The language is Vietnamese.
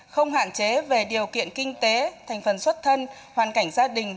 không hạn chế về điều kiện kinh tế thành phần xuất thân hoàn cảnh gia đình